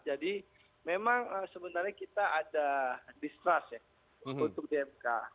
jadi memang sebenarnya kita ada distrust ya untuk di mk